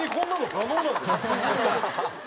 可能？